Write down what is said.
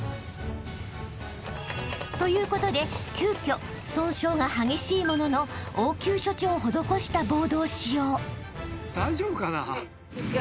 ［ということで急きょ損傷が激しいものの応急処置を施したボードを使用］